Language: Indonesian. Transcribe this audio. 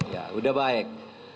ya sudah baik